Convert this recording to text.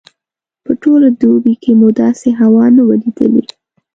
په ټوله دوبي کې مو داسې هوا نه وه لیدلې.